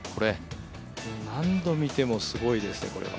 何度見てもすごいですよね、これは。